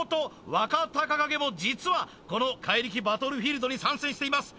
若隆景も実はこの怪力バトルフィールドに参戦しています